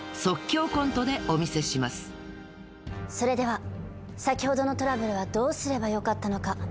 それでは先ほどのトラブルはどうすればよかったのか？